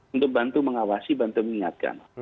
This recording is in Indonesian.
untuk bantu mengawasi bantu mengingatkan